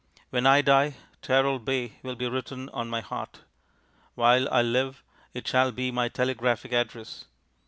When I die "Teralbay" will be written on my heart. While I live it shall be my telegraphic address.